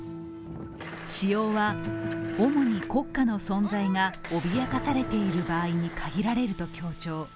使用には、主に国家の存在が脅かされている場合に限られると強調。